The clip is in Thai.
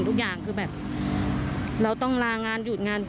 เหตุการณ์เกิดขึ้นแถวคลองแปดลำลูกกา